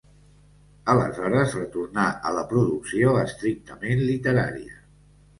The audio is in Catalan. Aleshores retornà a la producció estrictament literària.